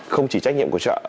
không chỉ trách nhiệm của chợ